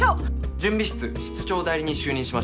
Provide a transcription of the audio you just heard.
準備室室長代理に就任しました。